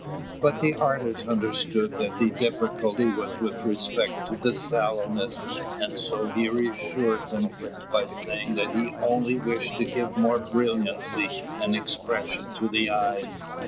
But the artist understood that the difficulty was with respect to the sallowness, and so he reassured them by saying that he only wished to give more brilliancy and expression to the eyes.